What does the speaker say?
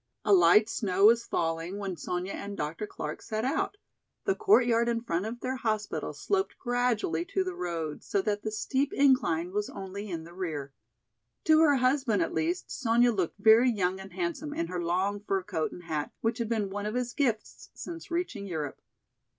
A light snow was falling when Sonya and Dr. Clark set out. The court yard in front of their hospital sloped gradually to the road, so that the steep incline was only in the rear. To her husband at least Sonya looked very young and handsome in her long fur coat and hat, which had been one of his gifts since reaching Europe.